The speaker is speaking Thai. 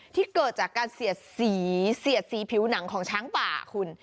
ที่เกิดจากการเสียดสีเสียดสีผิวหนังของช้างป่าคุณ